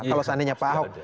kalau seandainya pak ahok